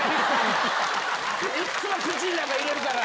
いっつも口の中入れるから。